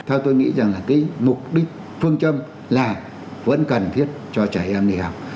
theo tôi nghĩ rằng là cái mục đích phương châm là vẫn cần thiết cho trẻ em đi học